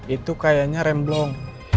itu kayaknya remblong